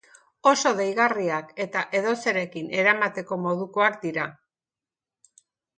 Oso deigarriak eta edozerekin eramateko modukoak dira.